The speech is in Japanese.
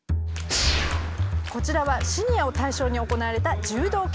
こちらはシニアを対象に行われた柔道教室。